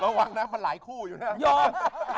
ระวังนะมันหลายคู่อยู่แล้ว